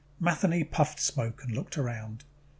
Matheny puffed smoke and looked around.